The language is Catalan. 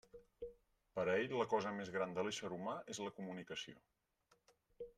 Per a ell, la cosa més gran de l'ésser humà és la COMUNICACIÓ.